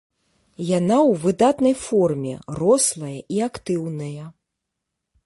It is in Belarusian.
Яна ў выдатнай форме, рослая і актыўная.